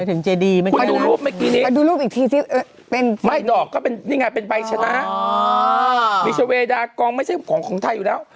คุณดูรูปอีกทีนิดดอกก็เป็นใบชนะมีเฉวียดากองไม่ใช่ของไทยอยู่แล้ว